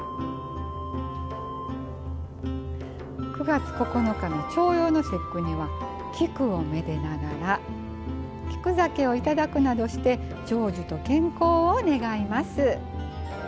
９月９日の重陽の節句には菊をめでながら菊酒を頂くなどして長寿と健康を願います。